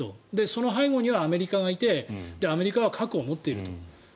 その背後にはアメリカがいてアメリカは核を持っていると。